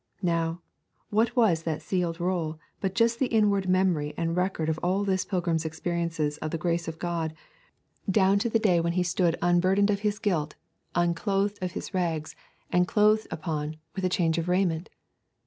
Now, what was that sealed roll but just the inward memory and record of all this pilgrim's experiences of the grace of God from the day he set out on pilgrimage down to that day when he stood unburdened of his guilt, unclothed of his rags, and clothed upon with change of raiment?